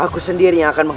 aku sendiri yang berkejangan